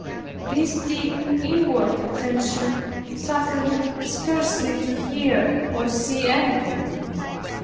This deep inward attention suffered me scarcely to hear or see anything.